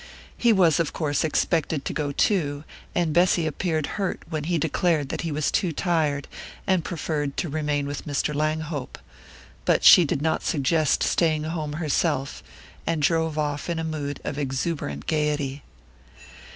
He was of course expected to go too, and Bessy appeared hurt when he declared that he was too tired and preferred to remain with Mr. Langhope; but she did not suggest staying at home herself, and drove off in a mood of exuberant gaiety.